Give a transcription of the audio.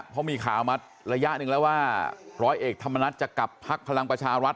เพราะมีข่าวมาระยะหนึ่งแล้วว่าร้อยเอกธรรมนัฐจะกลับพักพลังประชารัฐ